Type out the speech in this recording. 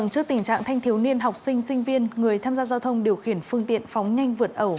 trước tình trạng thanh thiếu niên học sinh sinh viên người tham gia giao thông điều khiển phương tiện phóng nhanh vượt ẩu